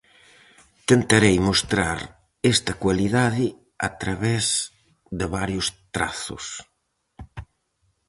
Tentarei mostrar esta cualidade a través de varios trazos.